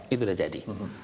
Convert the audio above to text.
itu sudah jadi